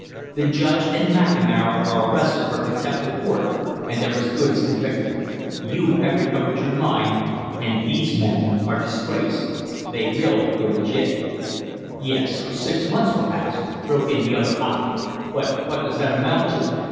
The Judge and McNamara are arrested for contempt of court and they're as good as convicted; you have recovered your mine, and these men are disgraced. They will go to jail " "Yes, for six months, perhaps," broke in the other, hotly, "but what does that amount to?